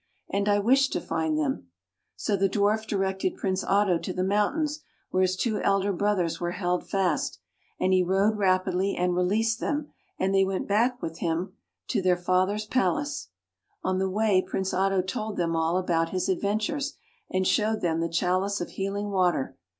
And I wish to find them." So the Dwarf directed Prince Otto to the mountains where his two elder brothers were held fast, and he rode rapidly, and released them; and they went with him back to their father's palace. On the way Prince Otto told them all about his adventure, and showed them the chalice of healing water.